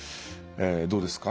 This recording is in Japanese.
どうですか？